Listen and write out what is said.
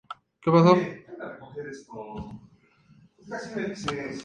Se desconoce cuantos fusiles Krag-Jørgensen fueron transformados como lanza-arpones.